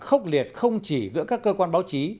khốc liệt không chỉ giữa các cơ quan báo chí